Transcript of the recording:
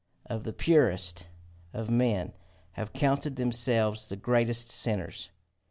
of the purest of men have counted themselves the greatest sinners!